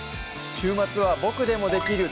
週末は「ボクでもできる！